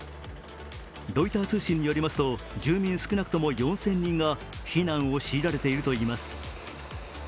ロイター通信によりますと、住民少なくとも４０００人が避難を強いられているといいます。